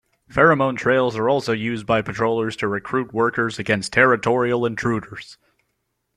Pheromone trails are also used by patrollers to recruit workers against territorial intruders.